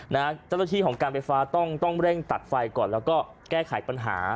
เจ้าหน้าที่ของการไฟฟ้าต้องเร่งตัดไฟก่อนแล้วก็แก้ไขปัญหา